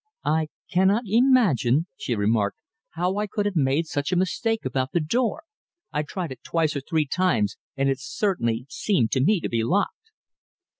"I cannot imagine," she remarked, "how I could have made such a mistake about the door. I tried it twice or three times and it certainly seemed to me to be locked."